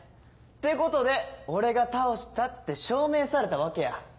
ってことで俺が倒したって証明されたわけや。